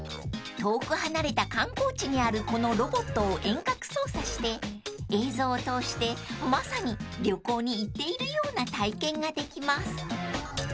［遠く離れた観光地にあるこのロボットを遠隔操作して映像を通してまさに旅行に行っているような体験ができます］